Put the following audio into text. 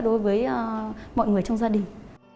đối với mọi người trong gia đình